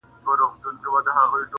يوه ورځ څه موږكان په لاپو سر وه.!